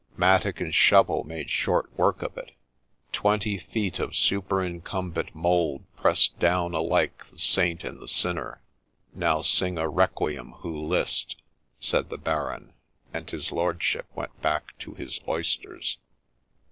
Mattock and shovel made short work of it ; twenty feet of superincumbent mould pressed down alike the saint and the sinner. ' Now sing a re quiem who list !' said the Baron, and his lordship went back to his oysters.